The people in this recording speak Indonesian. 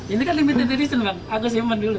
ini kan limited edition bang